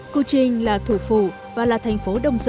kuching là thủ phủ và là thành phố đông dân